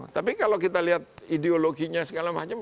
tapi kalau kita lihat ideologinya segala macam